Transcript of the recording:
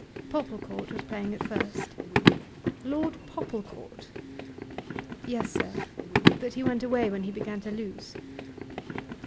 Popplecourt was playing at first." "Lord Popplecourt!" "Yes, sir. But he went away when he began to lose."